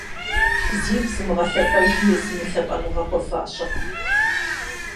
Зифӏ зымыгъэлъэпӏэжым езыми лъапӏэныгъэ хуэфащэкъым.